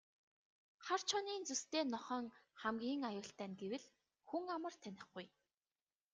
Хар чонын зүстэй нохойн хамгийн аюултай нь гэвэл хүн амар танихгүй.